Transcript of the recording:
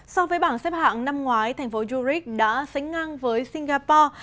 so với bảng xếp hạng năm ngoái thành phố yurich đã sánh ngang với singapore